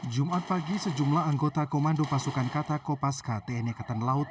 jumat pagi sejumlah anggota komando pasukan katakopaska tni katanelaut